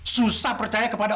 susah percaya kepada